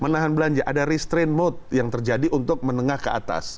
menahan belanja ada restrain mode yang terjadi untuk menengah ke atas